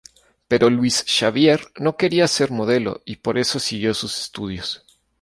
Pero Luis Xavier no quería ser modelo, y por eso siguió sus estudios.